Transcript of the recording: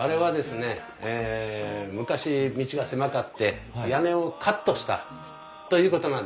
昔道が狭かって屋根をカットしたということなんですね。